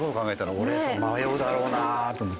俺迷うだろうなと思って。